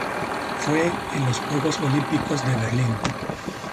Fue en los Juegos Olímpicos de Berlín.